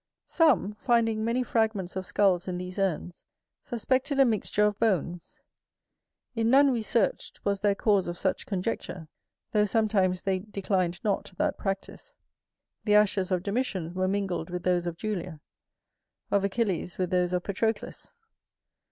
_ Some, finding many fragments of skulls in these urns, suspected a mixture of bones; in none we searched was there cause of such conjecture, though sometimes they declined not that practice. The ashes of Domitian were mingled with those of Julia; of Achilles with those of Patroclus.